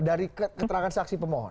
dari keterangan saksi pemohon